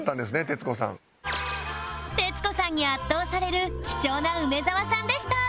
徹子さんに圧倒される貴重な梅沢さんでした